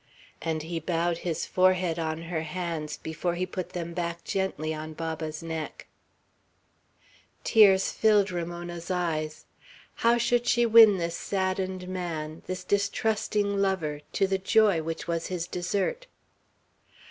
and he bowed his forehead on her hands, before he put them back gently on Baba's neck. Tears filled Ramona's eyes. How should she win this saddened man, this distrusting lover, to the joy which was his desert?